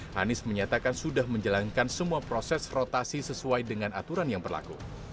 hanis menyatakan sudah menjalankan semua proses rotasi sesuai dengan aturan yang berlaku